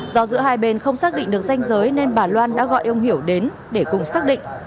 do giữa hai bên không xác định được danh giới nên bà loan đã gọi ông hiểu đến để cùng xác định